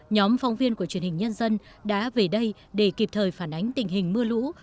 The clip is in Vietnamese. nhóm phóng viên của truyền hình nhân dân đã về đây để kịp thời phản ánh tình hình mưa lũ